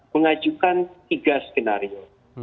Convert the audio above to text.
mengajukan tiga skenario